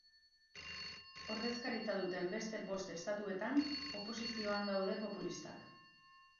Ordezkaritza duten beste bost estatuetan, oposizioan daude populistak.